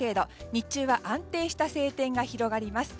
日中は安定した晴天が広がります。